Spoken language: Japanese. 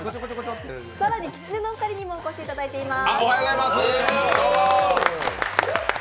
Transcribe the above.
更にきつねのお二人にもお越しいただいています。